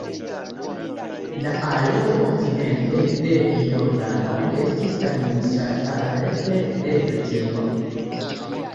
La areo okcidente de Jordano estis administrata rekte de Britio.